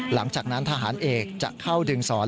หลังจากนั้นทหารเอกจะเข้าดึงสอน